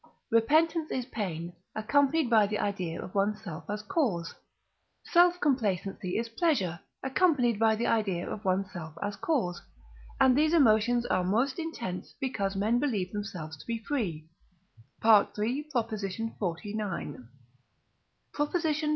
Repentance is pain, accompanied by the idea of one's self as cause; Self complacency is pleasure, accompanied by the idea of one's self as cause, and these emotions are most intense because men believe themselves to be free (III. xlix.). PROP. LII.